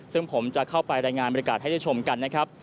ซึ่งผมจะเข้าไปรายงานบริการให้ได้ชมกันนะครับ